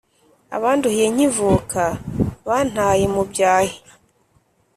Abanduhiye nkivuka Bantaye mu byahi!